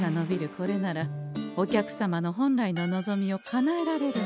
これならお客様の本来の望みをかなえられるはず。